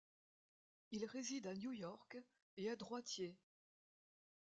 Il réside à New York et est droitier.